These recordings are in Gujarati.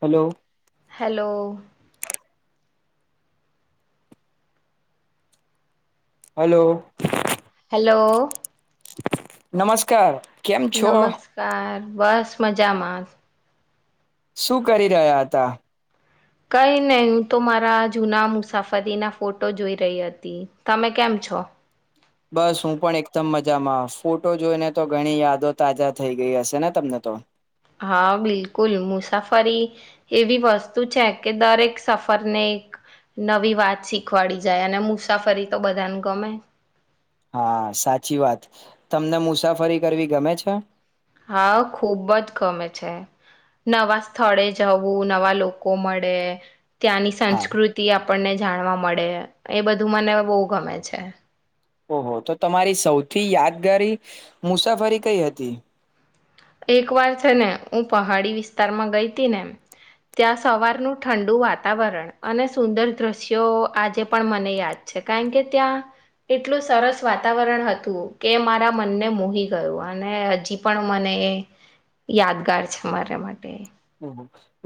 હલો હલો હલોલો હલો નમસ્કાર કેમ છો નમસ્કાર બસ મજામાં શું કરી રહ્યા હતા કઈ નહી હું તો મારા જુના મુસાફરીના ફોટો જોઈ રહી હતી તમે કેમ છો બસ હું પણ એકદમ મજામાં ફોટો જોઈને તો ઘણી યાદો તાજા થઈ ગઈ હશે ને તમને તો હા બિલકુલ મુસાફરી એવી વસ્તુ છે કે દરેક સફરને એક નવી વાત શીખવાડી જાય અને મુસાફરી તો બધાને ગમે હા સાચી વાત તમને મુસાફરી કરવી ગમે છે હા ખુબ જ ગમે છે નવા સ્થળે જવું નવા લોકો મળે ત્યાંની હા સંસ્કૃતિ આપ આપણને જાણવા મળે એ બધું મને બહુ ગમે છે ઓહો તો તમારી સૌથી યાદગારી મુસાફરી કઈ હતી એક વાર છે ને હું પહાડી વિસ્તારમાં ગઈ હતી ને ત્યાં સવારનું ઠંડુ વાતાવરણ અને સુંદર દ્રશ્યો આજે પણ મને યાદ છે કારણ કે ત્યાં એટલું સરસ વાતાવરણ હતું કે મારા મનને મોહી ગયું અને હજી પણ મને એ યાદગાર છે મારા માટે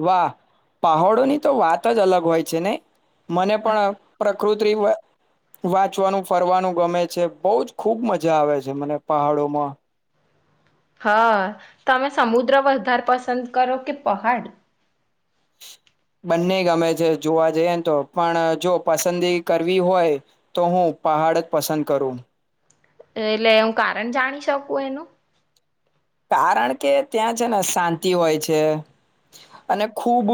વાહ પહોડોની તો વાત જ અલગ હોય છે ને મને પણ પ્રકૃતિ વાંચવાનું ફરવાનું ગમે છે બહ જ ખુબ મજા આવે છે મને પહાડોમાં હા તમે સમુદ્ર વધારે પસંદ કરો કે પહાડ બંને ગમે છે જોવા જઈએને તો પણ જો પસંદી કરવી હોય તો હું પહાડ જ પસંદ કરું એટલે હું કારણ જાણી શકું એનું કારણ કે ત્યાં છે ને શાંતિ હોય છે અને ખૂબ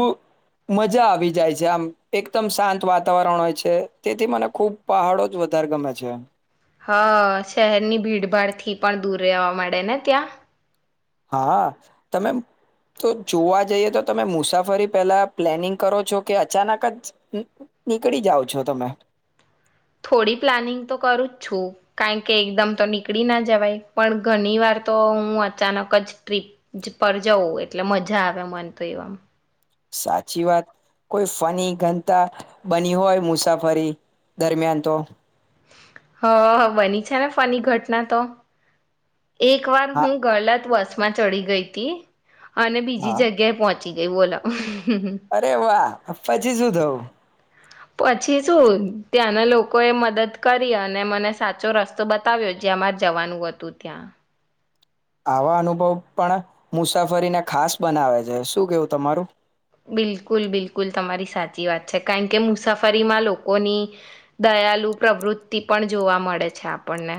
મજા આવી જાય છે આમ એકદમ શાંત વાતાવરણ હોય છે તેથી મને ખૂબ પહાડો જ વધારે ગમે છે હ શહેરની ભીડભાડ થી પણ દૂર રહેવા મળડે ને ત્યાં હા તમે તો જોવા જઈએ તો તમે મુસાફરી પહેલાં પ્લેનિંગ કરો છો કે અચાનક જ નીકળી જાઓ છો તમે થોડી પ્લાનિંગ તો કરું જ છું કારણ કે એકદમ તો નીકળી ના જવાય પણ ઘણી વાર તો હું અચાનક જ ટ્રીપ પર જઉં એટલે મજા આવે મન તો એવામ સાચી વાત કોઈ ફની ઘનતા બની હોય મુસાફરી દરમિયાન તો હ હ બની છે ને ફની ઘટના તો એક વાર હા હું ગલત વસ માં ચડી ગઈ તી. અને બીજી હા. જગ્યાએ પહોચ ચી જઈ બોલો અરે વાહ અ્ાજી શું થવું પછી શું ત્યાંના લોકોએ મદદ કરી અને મને સાચો રસ્તો બતાવ્યો જ્યાંમાં જવાનું હતું ત્યાં આવા અનુભવ પણ મુસાફરીને ખાસ બનાવે છે શું કેવું તમારું બિલકુલ બિલકુલ તમારી સાચી વાત છે કારણ કે મુસાફરીમાં લોકોની દયાલુ પ્રવૃત્તિ પણ જોવા મળે છે આપણને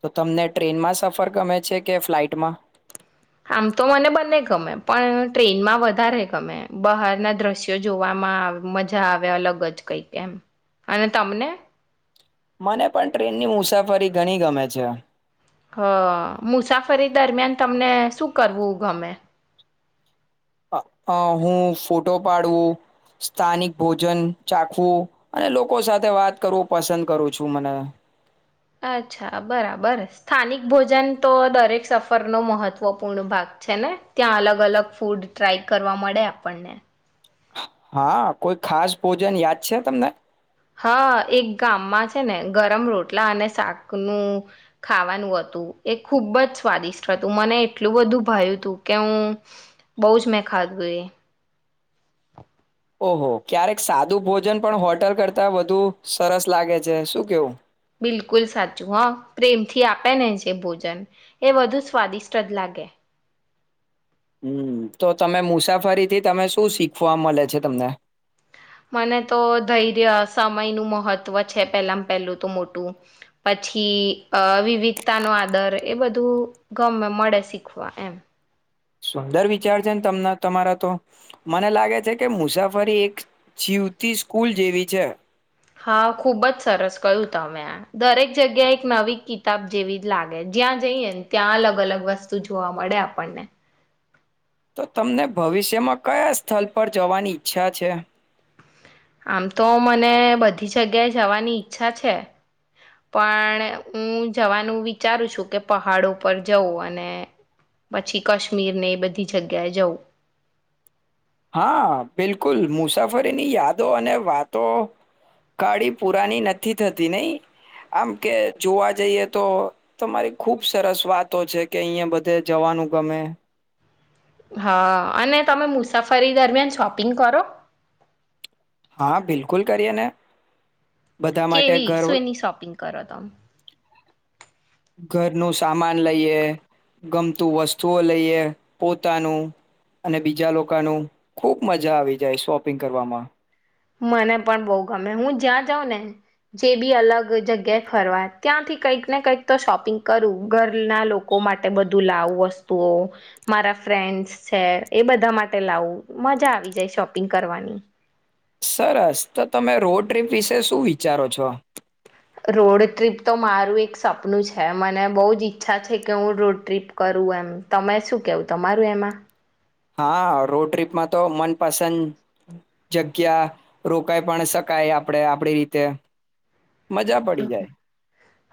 તો તમને ટ્રેનમાં સફર ગમે છે કે ફ્લાઇટમાં આમ તો મને બને ગમે પણ ટ્રેનમાં વધારે ગમે બહાર ના દ્રશ્યો જોવામાં મજા આવે અલગ જ કઈ કે એમ અને તમને મને પણ ટ્રેનની મુસાફરી ઘણી ગમે છે હ મુસાફરી દરમિયાન તમને શું કરવું ગમે હું ફોટો પાડવું સ્થાનિક ભોજન ચાખવું અને લોકો સાથે વાત કરવું પસંદ કરું છું મને અચ્છા બરાબર સ્થાનિક ભોજન તો દરેક સફરનોો મહત્વપૂર્ણ ભાગ છે ને ત્યાં અલગ અલગ ફૂડ ટ્રાય કરવા મળે આપણને હા કોઈ ખાસ ભોજન યાદ છે તમને હા એક ગામમાં છે ને ગરમ રોટલા અને શાકનુંું ખાવાનું હતું એ ખુબ જ સ્વાદિષ્ટ હતું મને એટલું બધું ભાવ્યું હતું કે હું બહ જ મેં ખાધું એ ઓહો ક્યારેક સાદું ભોજન પણ હોટલ કરતા વધુ સરસ લાગે છે શું કેવું બિલકુલ સાચું હ પ્રેમથી આપે ને જે ભોજન એ વધુ સ્વાદિષ્ટ જ લાગે હમ તો તમે મુસાફરીથી તમે શું શીખવા મળે છે તમને મને તો ધૈર્ય સમયનુંું મહત્વ છે પેલામાં પેલું તો મોટું પછી વિવિધતા નો આદર એ બધું ગમે મળે શીખવા એમ સુંદર વિચાર છે ને તને તમારા તો મને લાગે છે કે મુસાફરી એક જીવતી સ્કૂલ જેવી છે હા ખુબ જ સરસ કયું તમે દરેક જગ્યા એક નવી કિતાબ જેવી જ લાગે જ્યાં જઈએને ત્યાં અલગ અલગ વસ્તુ જોવા મળે આપણને તો તમને ભવિષ્યમાં કયા સ્થળ પર જવાની ઈચ્છા છે આમ તો મને બધી જગ્યાએ જવાની ઈચ્છા છે પણ હું જવાનું વિચારું છું કે પહાડો પર જઉં અને પછી કશ્મીરને એ બધી જગ્યાએ જઉં હા બિલકુલ મુસાફરીની યાદો અને વાતો કાળી પુરાની નથી થતી નહી આમ કે જોવા જઈએ તો તમારી ખુબ સરસ વાતો છે કે અહીંયા બધે જવાનું ગમે હા અને તમે મુસાફરી દરમિયાન શોપિંગ કરો હા બિલકુલ કરીએ ને બધા માટે કેવી ઘર સુઈની શોપિંગ કરો તમે ઘરનું સામાન લઈએ ગમતું વસ્તુઓ લઈએ પોતાનું અને બીજા લોકોનું ખુબ મજા આવી જાય શોપિંગ કરવામાં મને પણ બહ ગમે હું જ્યાં જાઉં ને જે બી અલગ જગ્યાએ ફરવા ત્યાંથી કંઈક ને કંઈક તો શોપિંગ કરું ઘરના લોકો માટે બધું લાવું વસ્તુઓ મારા ફ્રેન્ડસ છે એ બધા માટે લાવું મજા આવી જાય શોપિંગ કરવાની સરસ તો તમે રોડ ટ્રીપ વિશે શું વિચારો છો રોડ ટ્રીપ તો મારું એક સપનું છે મને બહુ જ ઈચ્છા છે કે હું રોડ ટ્રીપ કરું એમ તમે શું કેવું તમારું એમાં હા રોડ ટ્રીપમાં તો મનપસંદ જગ્યા રોકાઈ પણ શકાય આપડે આપડી રીતે મજા પડી જાય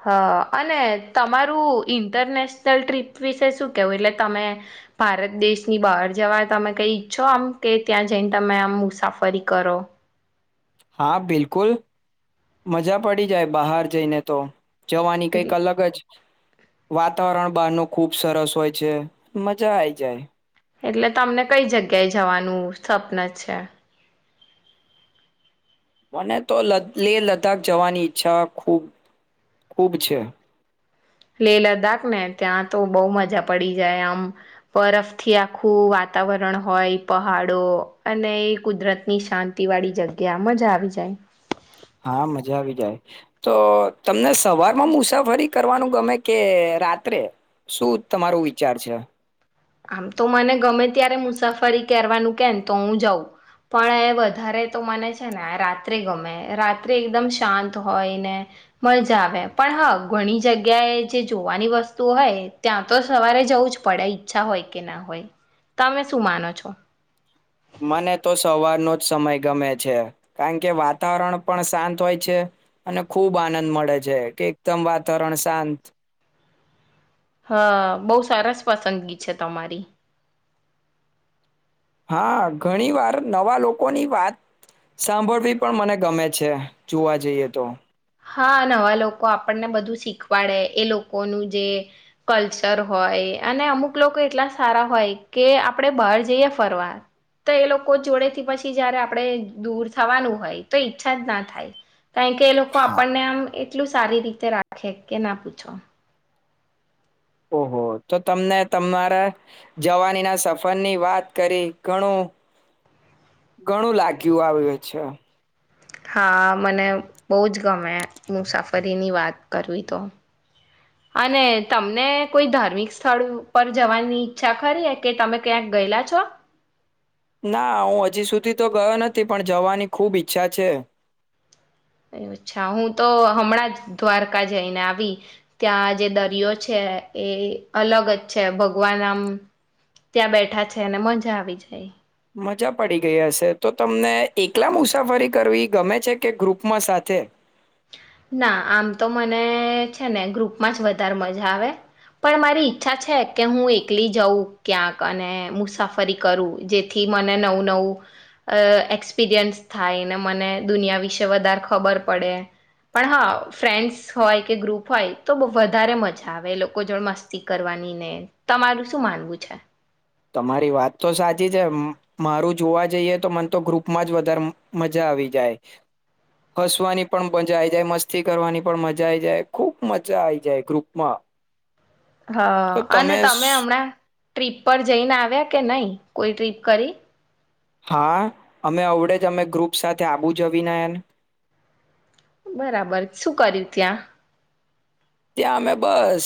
હા અને તમારું ઇન્ટરનેશનલ ટ્રીપ વિશે શું કેવું એટલે તમે ભારત દેશની બહાર જવા તમે કઈ ઈચ્છો આમ કે ત્યાં જઈને તમે આમ મુસાફરી કરો હા બિલકુલ મજા પડી જાય બહાર જઈને તો જવાની કઈક એટલે અલગ જ વાતાવરણ બહારનું ખુબ સરસ હોય છે મજા આઈ જાય એટલે તમને કઈ જગ્યાએ જવાનું સ્વપન છે મને તો લે લદ્દાખ જવાની ઈચ્છા ખૂબ ખૂબ છે લેહ લદ્દાખ ને ત્યાં તો બહુ મજા પડી જાય આમ બરફથી આખું વાતાવરણ હોય પહાડો અને કુદરત ની શાંતિ વાળી જગ્યા મજા આવી જાય હા મજા આવી જાય તો તમને સવારમાં મુસાફરી કરવાનું ગમે કે રાત્રે શું તમારોું વિચાર છે આમ તો મને ગમે ત્યારે મુસાફરી કરવાનું કેને તો હું જઉં પણ એ વધારે તો મને છે ને રાત્રે ગમે રાત્રે એકદમ શાંત હોય ને મજા આવે પણ હા ઘણી જગ્યાએ જે જોવાની વસ્તુ હોય ત્યાં તો સવારે જવું જ પડે અચ્છા હોય કે ના હોય તમે શું માનો છો મને તો સવારનો જ સમય ગમે છે કારણ કે વાતાવરણ પણ શાંત હોય છે અને ખૂબ આનંદ મળે છે કે એકદમ વાતાવરણ શાંત હા બહુ સરસ પસંદગી છે તમારી હા ઘણી વાર નવા લોકોની વાત સાંભળવી પણ મને ગમે છે જોવા જઈએ તો હા નવા લોકો આપણને બધું શીખવાડે એ લોકોનું જે કલ્ચર હોય અને અમુક લોકો એટલા સારા હોય કે આપણે બહાર જઈએ ફરવા તો એ લોકો જોડેથી પછી જયારે આપણે દૂર થવાનું હોય તો ઈચ્છા જ ના થાય કારણ કે એ લોકો તો હા આપણને આમ કેટલું સારી રીતે રાખે કે ના પૂછો ઓહ તો તમને તમારા જવાની ના સફર ની વાત કરી ઘણું ઘણું લાગ્યું આવ્યું છે હા મને બહુ જ ગમે મુસાફરીની વાત કરવી તો અને તમને કોઈ ધાર્મિક સ્થળ પર જવાની ઈચ્છા ખરી કે તમે ક્યાંક ગયેલા છો ના હું હજી સુધી તો ગયો નથી પણ જવાની ખુબ ઈચ્છા છે અચ્છા હું તો હમણાં જ દ્વારકા જઈને આવી ત્યાં જે દરિયો છે એ અલગ જ છે ભગવાન આમ ત્યાં બેઠા છે અને મજા આવી જાય મજા પડી ગય હશે તો તમને એકલા મુસાફરી કરવી ગમે છે કે ગ્રુપમાં સાથે ના આમ તો મને છે ને ગ્રુપમાં જ વધારે મજા આવે પણ મારી ઈચ્છા છે કે હું એકલી જઉં ક્યાંક અને મુસાફરી કરું જેથી મને નવું નવું એક્સપિરિયન્સ થાય ને મને દુનિયા વિશે વધારે ખબર પડે પણ હા ફ્રેન્ડસ હોય કે ગ્રુપ હોય તો વધારે મજા આવે લોકો જોડ મસ્તી કરવાની ને તમારું શું માનવું છે તમારી વાત તો સાચી છે મારું જોવા જઈએ તો મને તો ગ્રુપમાં જ વધારે મજા આવી જાય હસવાની પણ મજા આવી જાય મસ્તી કરવાની પણ મજા આવી જાય ખુબ મજા આવી જાય ગ્રુપમાં હા તો અને તમે સ- હમણાં ટ્રીપ પર જઈને આવ્યા કે નઈ કોઈ ટ્રીપ કરી હા અમે અવડે જ અમે ગ્રુપ સાથે [unintelligible] બરાબર શું કર્યું ત્યાં ત્યાં અમે બસ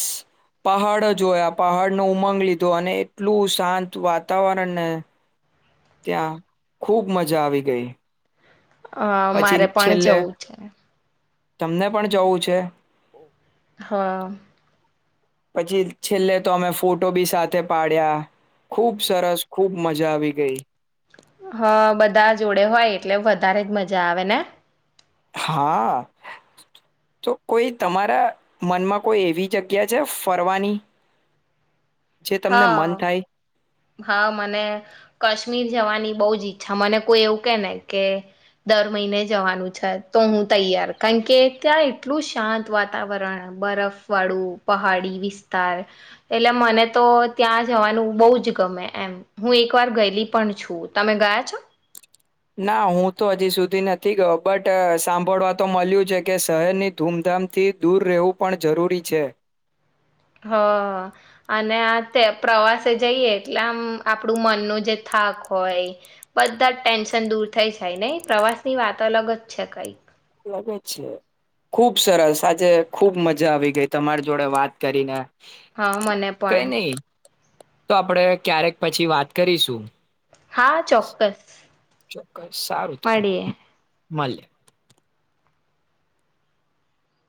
પહાડ જોયા પહાડ નુ ઉમંગ લીધો અને એટલું શાંત વાતાવરણને ત્યાં ખુબ મજા આવી ગઈ અ પછી મારે પણ છેલ્લે જવું છે તમને પણ જવું છે હા પછી છેલ્લે તો અમે ફોટો ભી સાથે પાડ્યા ખૂબ સરસ ખૂબ મજા આવી ગઈ હા બધા જોડે હોય એટલે વધારે જ મજા આવે ને હા તો કોઈ તમારા મનમાં કોઈ એવી જગ્યા છે ફરવાની જે તમને મન હા થાય હા મને કાશ્મીર જવાની બો જ ઈચ્છા મને કોઈ એવું કે ને કે દર મહિને જવાનું છે તો હું તૈયાર કારણ કે ત્યાં એટલું શાંત વાતાવરણ બરફ વાળું પહાડી વિસ્તાર એટલે મને તો ત્યાં જવાનું બો જ ગમે એમ હું એક વાર ગયેલી પણ છું તમે ગયા છો ના હું તો હજી સુધી નથી ગયો બટ સાંભળવા તો મલ્યું છે કે શહેરની ધૂમધામથી દૂર રહેવું પણ જરૂરી છે હ અને આ તે પ્રવાસે જઈએ એટલે આમ આપણું મનનું જે થાક હોય બધા જ ટેન્શન દૂર થઈ જાય નઈ પ્રવાસ ની વાત અલગ જ છે કઈક ખુબ સરસ આજે ખુબ મજા આવી ગઈ તમારી જોડે વાત કરીને હા મને પણ કઈ નઈ તો આપણેે ક્યારેક પછી વાત કરીશું હા ચોક્કસ ચોક્કસ સારું તો મળીએ [unintelligible]